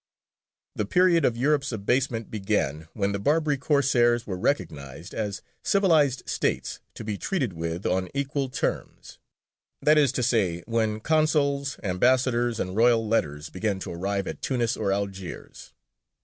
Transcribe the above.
The period of Europe's abasement began when the Barbary Corsairs were recognized as civilized states to be treated with on equal terms: that is to say, when consuls, ambassadors, and royal letters began to arrive at Tunis or Algiers.